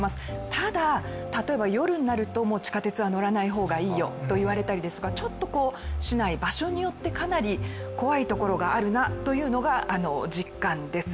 ただ、例えば夜になると、地下鉄は乗らない方がいいよと言われたりとか、ちょっと市内、場所によってかなり怖いところがあるなというのが実感です